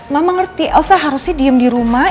mama mengerti elsa harusnya diem di rumah